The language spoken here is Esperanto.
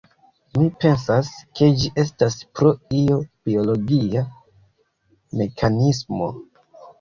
Mi pensas ke ĝi estas pro io biologia mekanismo